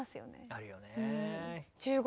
あるよね。